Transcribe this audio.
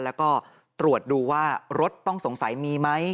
แล้วก็ตรวจดูว่ารถต้องสงสัยมีไหม